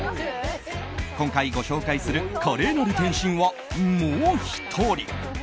今回、ご紹介する華麗なる転身はもう１人。